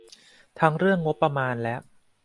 ทั้งเรื่องงบประมาณและ